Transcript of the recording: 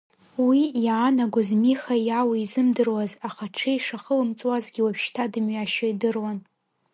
Уи иаанагоз Миха иауизымдыруаз, аха ҽеи шахылымҵуазгьы уажәшьҭа дымҩашьо идыруан.